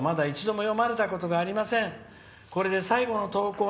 まだ一度も読まれたことがありません。